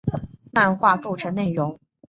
漫画构成内容。